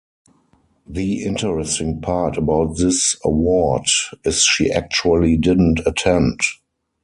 The interesting part about this award is she actually didn't attend.